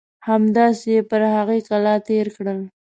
همداسې یې پر هغې کلا تېر کړل.